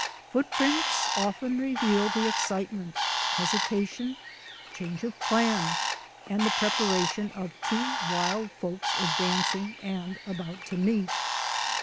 Footprints often reveal the excitement, hesita tion, change of plan, and the preparation of two wild folks advancing and about to meet.